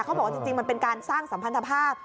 เขาบอกว่าจริงมันเป็นการสร้างสัมพันธภาพ